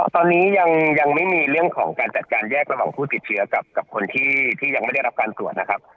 ตอนนี้ยังไม่มีเรื่องของการจัดการแยกระหว่างผู้ติดเชื้อกับคนที่ยังไม่ได้รับการตรวจนะครับ